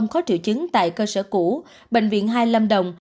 có triệu chứng tại cơ sở cũ bệnh viện hai lâm đồng